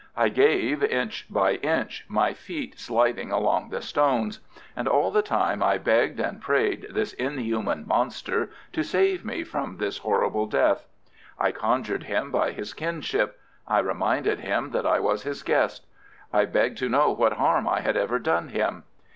I gave inch by inch, my feet sliding along the stones, and all the time I begged and prayed this inhuman monster to save me from this horrible death. I conjured him by his kinship. I reminded him that I was his guest; I begged to know what harm I had ever done him.